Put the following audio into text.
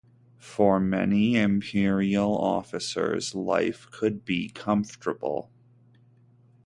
For many imperial officers, life could be comfortable.